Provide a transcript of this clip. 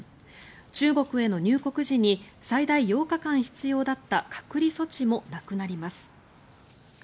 中国への入国時に最大８日間必要だった隔離措置もなくなります。